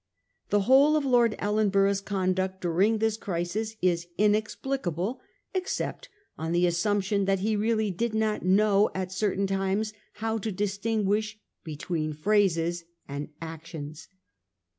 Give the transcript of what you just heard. The whole of Lord Ellenborough's conduct during this crisis is. inexplicable except on the assumption that he really did not know at certain times how to distinguish between phrases and actions.